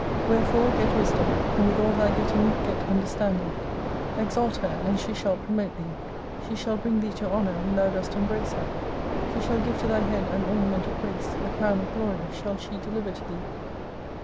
Wherefore get wisdom, and with all thy getting get understanding. Exalt her and she shah promote thee, she shall bring thee to honour when thou dost embrace her. She shall give to thy head an ornament of grace, a crown qf glory shall she deliver to thee.